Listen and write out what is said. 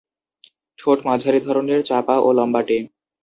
ঠোঁট মাঝারি ধরনের, চাপা ও লম্বাটে।